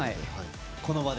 この場で。